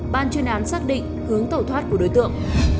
ban chuyên án xác định hướng tẩu thoát của đối tượng